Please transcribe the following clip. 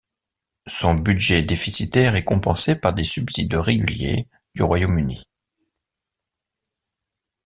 Son budget déficitaire est compensé par des subsides réguliers du Royaume-Uni.